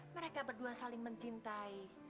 mereka berdua saling mencintai